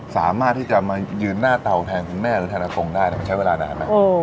สามารถที่จะมายืนหน้าเตาแทนคุณแม่หรือธนกงได้มันใช้เวลานานไหม